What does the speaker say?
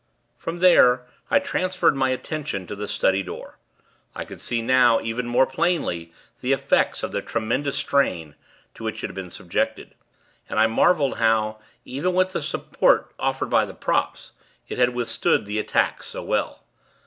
From there, I transferred my attention to the study door. I could see, now, even more plainly, the effects of the tremendous strain, to which it had been subjected; and I marveled how, even with the support afforded by the props, it had withstood the attacks, so well.